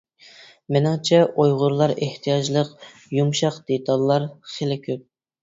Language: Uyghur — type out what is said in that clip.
مېنىڭچە، ئۇيغۇرلار ئېھتىياجلىق يۇمشاق دېتاللار خېلى كۆپ.